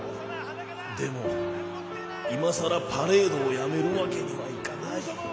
でもいまさらパレードをやめるわけにはいかない」。